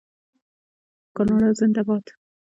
کاناډا زنده باد.